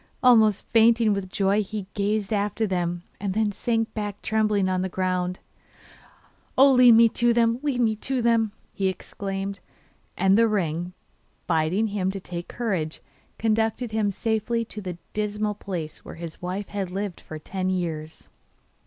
Almost fainting with joy he gazed after them, and then sank back trembling on the ground. 'Oh, lead me to them, lead me to them!' he exclaimed. And the ring, bidding him take courage, conducted him safely to the dismal place where his wife had lived for ten years.